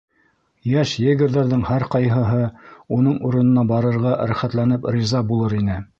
Йәш егерҙарҙың һәр ҡайһыһы уның урынына барырға рәхәтләнеп риза булыр ине.